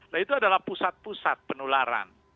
nah itu adalah pusat pusat penularan